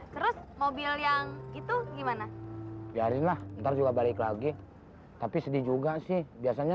terus mobil yang itu gimana biarin lah ntar juga balik lagi tapi sedih juga sih biasanya